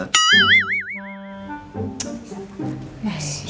nanti cvt permain ke andin